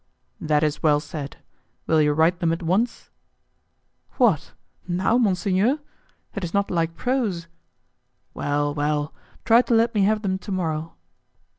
"That is well said. Will you write them at once?" "What! now, monsignor? It is not like prose." "Well, well! try to let me have them to morrow."